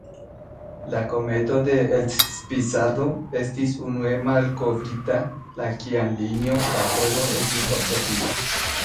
La kometo de Elst-Pizarro estis unue malkovrita la kiam linio da polvo estis observita.